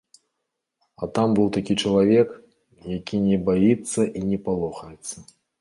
А там быў такі чалавек, які не баіцца і не палохаецца.